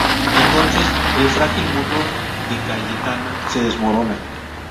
Entonces, el frágil mundo de Cayetana se desmorona.